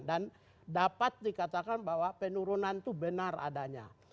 dan dapat dikatakan bahwa penurunan itu benar adanya